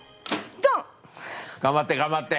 頑張って頑張って。